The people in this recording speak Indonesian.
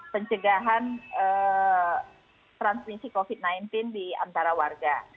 pencegahan transmisi covid sembilan belas di antara warga